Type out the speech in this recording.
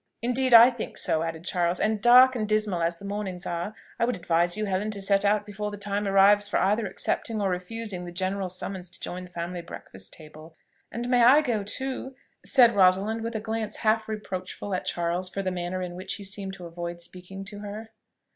"Indeed I think so," added Charles; "and, dark and dismal as the mornings are, I would advise you, Helen, to set out before the time arrives for either accepting or refusing the general summons to join the family breakfast table." "And may I go too?" said Rosalind with a glance half reproachful at Charles for the manner in which he seemed to avoid speaking to her.